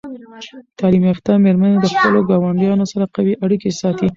تعلیم یافته میرمنې د خپلو ګاونډیانو سره قوي اړیکې ساتي.